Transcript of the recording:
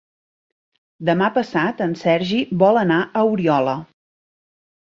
Demà passat en Sergi vol anar a Oriola.